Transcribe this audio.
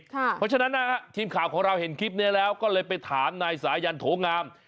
เพราะฉะนั้นนะฮะทีมข่าวของเราเห็นคลิปนี้แล้วก็เลยไปถามนายสายันโถงาม